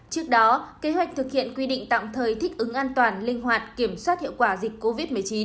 trước đó kế hoạch thực hiện quy định tạm thời thích ứng an toàn linh hoạt kiểm soát hiệu quả dịch covid một mươi chín